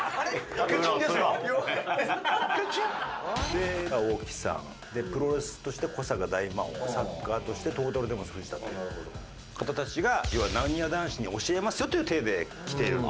で青木さんプロレスとして古坂大魔王サッカーとしてトータルテンボス藤田っていう方たちが要はなにわ男子に教えますよという体で来ているんですね。